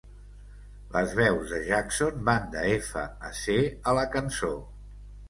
Les veus de Jackson van de F a C a la cançó.